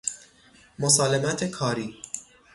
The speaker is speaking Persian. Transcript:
مسالمت کاری